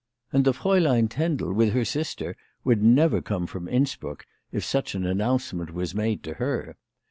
And the Fraulein Tendel with her sister would never come from Innsbruck if such an announcement was made to her.